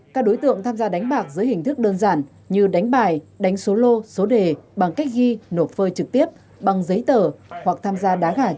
các đối tượng khai nhận do hoàn cảnh khó khăn lợi dụng tình hình dịch bệnh covid một mươi chín